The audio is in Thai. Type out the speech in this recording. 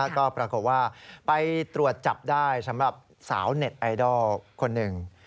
ก็ปรากฏว่าไปตรวจจับได้สำหรับสาวเน็ตไอดอลคนหนึ่ง